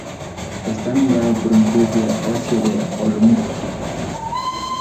Está nombrado por un club de ocio de Olomouc.